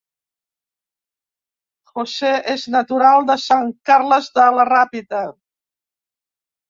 Jose és natural de Sant Carles de la Ràpita